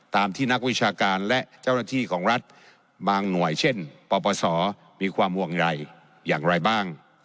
ที่นักวิชาการและเจ้าหน้าที่ของรัฐบางหน่วยเช่นปปศมีความห่วงใยอย่างไรบ้าง